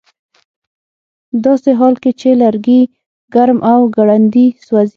ه داسې حال کې چې لرګي ګرم او ګړندي سوځي